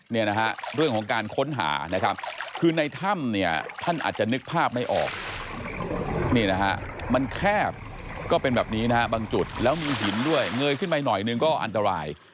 เงยขึ้นไปหน่อยหนึ่งก็อันตราย